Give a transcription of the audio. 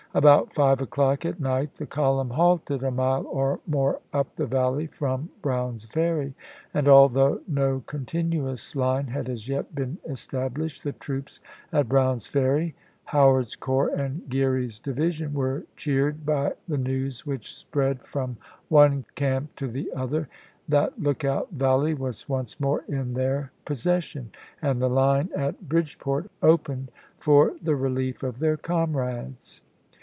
About five o'clock at night the column halted a mile or more up the valley from Brown's Ferry, and although no con tinuous line had as yet been established, the troops at Brown's Ferry, Howard's corps and Geary's division, were cheered by the news which spread from one camp to the other that Lookout Valley was once more in their possession, and the line at Bridgeport opened for the relief of their comrades.